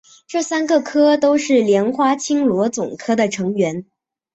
这三个科都是莲花青螺总科的成员。